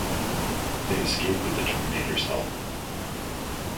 They escape with the Terminator's help.